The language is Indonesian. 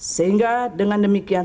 sehingga dengan demikian